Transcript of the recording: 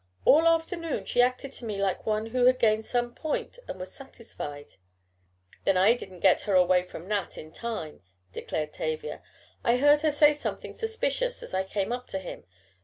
All afternoon she acted to me like one who had gained some point and was satisfied." "Then I didn't get her away from Nat in time," declared Tavia. "I heard her say something suspicious as I came up to them.